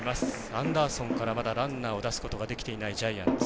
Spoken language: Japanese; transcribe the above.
アンダーソンからまだランナーを出すことができていないジャイアンツ。